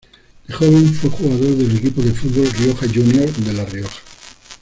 De joven fue jugador del equipo de fútbol Rioja Junior, de La Rioja.